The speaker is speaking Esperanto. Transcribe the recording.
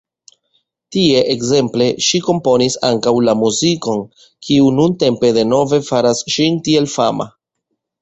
Tie ekzemple ŝi komponis ankaŭ la muzikon, kiu nuntempe denove faras ŝin tiel fama.